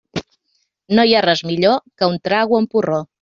No hi ha res millor que un trago amb porró.